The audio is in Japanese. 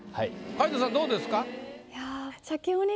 皆藤さんどうですか？